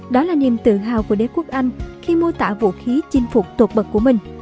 đó là niềm tự hào của đế quốc anh khi mô tả vũ khí chinh phục tột bật của mình